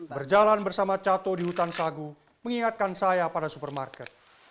berjalan bersama cato di hutan sagu mengingatkan saya pada supermarket